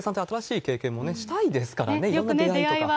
学生さんって、新しい経験もね、したいですからね、いろんな出会いとか。